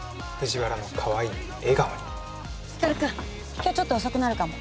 今日ちょっと遅くなるかも。